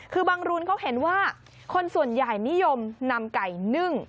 คือบางรุนเขาเห็นว่าคนส่วนใหญ่นิยมนำไก่นึ่ง